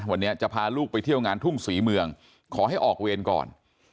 วันนี้จะพาลูกไปเที่ยวงานทุ่งศรีเมืองขอให้ออกเวรก่อน